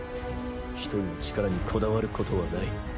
１人の力にこだわることはない。